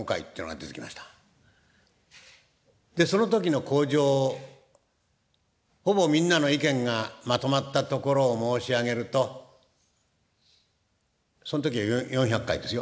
でその時の口上ほぼみんなの意見がまとまったところを申し上げるとその時は４００回ですよ。